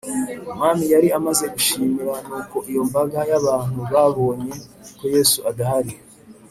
Umwami yari amaze gushimira Nuko iyo mbaga y abantu babonye ko Yesu adahari